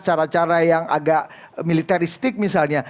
cara cara yang agak militeristik misalnya